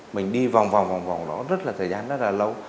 mình đi vòng vòng vòng vòng đó rất là thời gian rất là lâu